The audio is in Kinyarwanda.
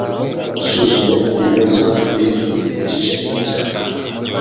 usuzumye ibibazo biri mu gice cya